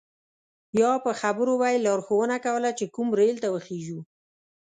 یا په خبرو به یې لارښوونه کوله چې کوم ریل ته وخیژو.